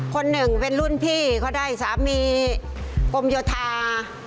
คนหนึ่งเป็นรุ่นพี่เขาได้สามีกรมโยธา